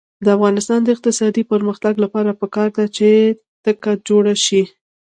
د افغانستان د اقتصادي پرمختګ لپاره پکار ده چې تکه جوړه شي.